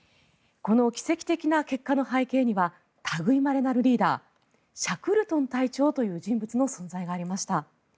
この奇跡的な結果の背景には類いまれなるリーダーシャクルトン隊長という人物の存在がありました。